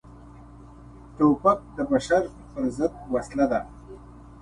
توپک د بشر پر ضد وسله ده.